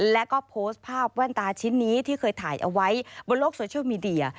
แล้วก็โพสต์ภาพแว่นตาชิ้นนี้ที่เคยถ่ายเอาไว้บนโลกโซเชียลมีเดีย